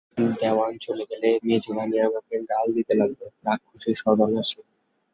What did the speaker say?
দেওয়ান চলে গেলে মেজোরানী আমাকে গাল দিতে লাগলেন, রাক্ষুসী, সর্বনাশী!